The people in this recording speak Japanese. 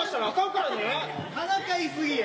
からかい過ぎや。